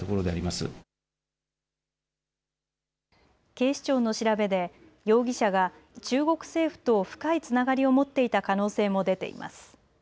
警視庁の調べで容疑者が中国政府と深いつながりを持っていた可能性も出ています。